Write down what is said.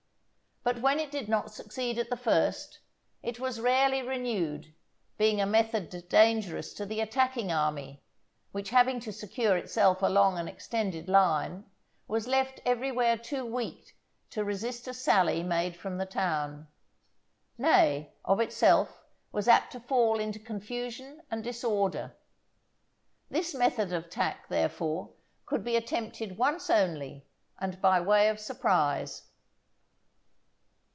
But when it did not succeed at the first, it was rarely renewed, being a method dangerous to the attacking army, which having to secure itself along an extended line, was left everywhere too weak to resist a sally made from the town; nay, of itself, was apt to fall into confusion and disorder. This method of attack, therefore, could be attempted once only and by way of surprise.